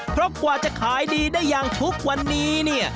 เพราะกว่าจะขายดีได้อย่างทุกวันนี้เนี่ย